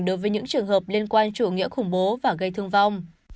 đối với những trường hợp liên quan chủ nghĩa khủng bố và gây thương vong